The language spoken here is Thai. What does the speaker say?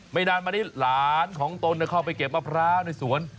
นานมานี้หลานของตนเข้าไปเก็บมะพร้าวในสวน